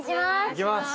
行きます。